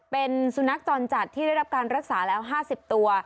เป็นสุนัขจรจัดที่ได้รับการรักษาแล้ว๕๐ตัว